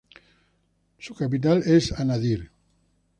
Su capital es Anádyr.